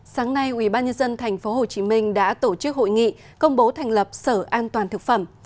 sáng nay ủy ban nhân dân tp hcm đã tổ chức hội nghị công bố thành lập sở an toàn thực phẩm